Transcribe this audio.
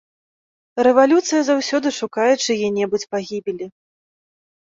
Рэвалюцыя заўсёды шукае чые-небудзь пагібелі.